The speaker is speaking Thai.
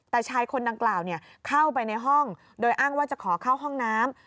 แต่ชายคนดังกล่าวเข้าไปในห้องโดยอ้างว่าจะขอเข้าห้องน้ำ